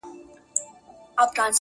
اروښاد عمردراز مروت